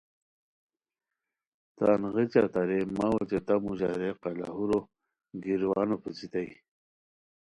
تان غیچہ تارئے مہ اوچے تہ موژا رے( قلاہورو گیروانو پیڅھیتائے)